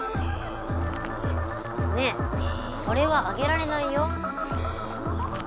ねえこれはあげられないよ。